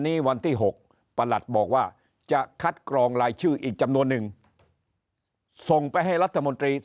วันที่๖ประหลัดบอกว่าจะคัดกรองรายชื่ออีกจำนวนนึงส่งไปให้รัฐมนตรี